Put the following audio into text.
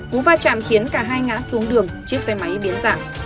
cú va chạm khiến cả hai ngã xuống đường chiếc xe máy biến dạng